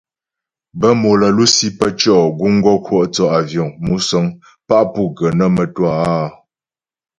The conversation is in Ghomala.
Bə́ mò lə́ lusi pə́ tʉɔ' guŋ gɔ kwɔ' thə́ àvyɔ̌ŋ (musə̀ŋ) pá pu gə nə́ mə́twâ áa.